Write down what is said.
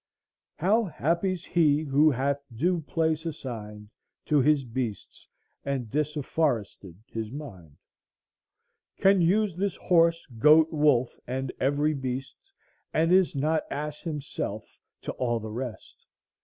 — "How happy's he who hath due place assigned To his beasts and disafforested his mind! Can use this horse, goat, wolf, and ev'ry beast, And is not ass himself to all the rest!